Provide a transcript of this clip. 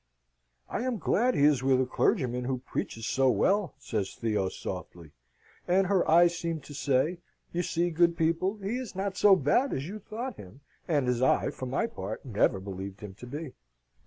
"I am glad he is with a clergyman who preaches so well," says Theo, softly; and her eyes seemed to say, You see, good people, he is not so bad as you thought him, and as I, for my part, never believed him to be.